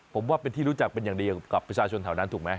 ผมว่าเป็นที่รู้จักเป็นอย่างดีกับประชาชนแถวนั้นถูกไหม